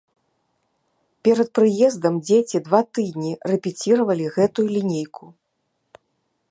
Перад прыездам дзеці два тыдні рэпеціравалі гэтую лінейку.